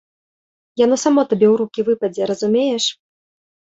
Яно само табе ў рукі выпадзе, разумееш.